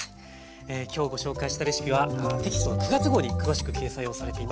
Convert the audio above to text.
今日ご紹介したレシピはテキスト９月号に詳しく掲載をされています。